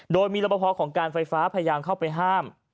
โดยมีรับประพอของการไฟฟ้าพยายามเข้าไปห้าม